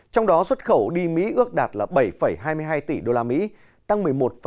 trong đó xuất khẩu đi mỹ ước đạt bảy hai mươi hai tỷ usd tăng một mươi một bảy